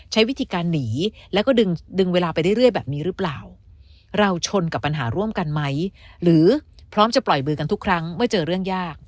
ใช้วิธีการหนีแล้วก็ดึงดึงเวลาไปเรื่อยแบบนี้หรือเปล่าเราชนกับปัญหาร่วมกันไหมหรือพร้อมจะปล่อยมือกันทุกครั้งเมื่อเจอเรื่องยาก